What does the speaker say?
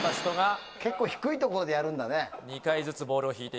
結構低いところでやるんだね。